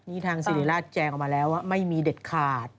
นี่ทางสิริราชแจงออกมาแล้วว่าไม่มีเด็ดขาด